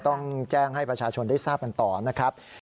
ต้องแจ้งให้ประชาชนได้ทราบกันต่อนะครับ